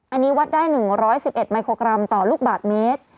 อันนี้วัดได้๑๑มิโครกรัมต่อลูกบาทเมตร